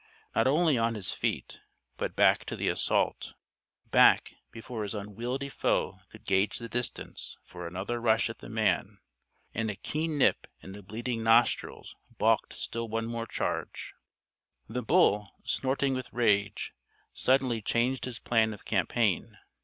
Not only on his feet, but back to the assault. Back, before his unwieldy foe could gauge the distance for another rush at the man. And a keen nip in the bleeding nostrils balked still one more charge. The bull, snorting with rage, suddenly changed his plan of campaign.